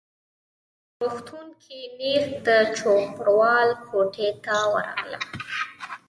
په روغتون کي نیغ د چوپړوال کوټې ته ورغلم.